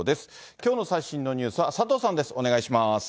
きょうの最新のニュースは佐藤さんです。